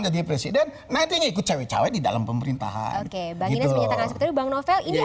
jadi presiden nanti ikut cewek cewek di dalam pemerintahan oke banginnya seperti bang novel